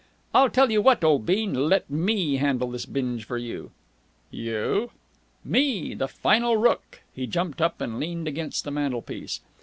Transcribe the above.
"I'll tell you what, old bean. Let me handle this binge for you." "You?" "Me! The Final Rooke!" He jumped up, and leaned against the mantelpiece.